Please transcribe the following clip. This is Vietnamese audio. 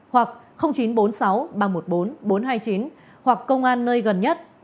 một nghìn sáu trăm sáu mươi bảy hoặc chín trăm bốn mươi sáu ba trăm một mươi bốn bốn trăm hai mươi chín hoặc công an nơi gần nhất